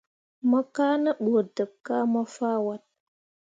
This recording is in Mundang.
Mo kaa ne ɓu deb kah mo fah wat.